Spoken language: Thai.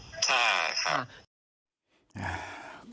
ใช่ค่ะ